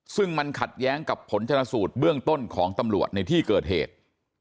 ซึ่งมันขัดแย้งกับผลชนสูตรเบื้องต้นของตำรวจในที่เกิดเหตุ